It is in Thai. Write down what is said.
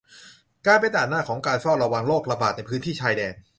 การเป็นด่านหน้าของการเฝ้าระวังโรคระบาดในพื้นที่ชายแดน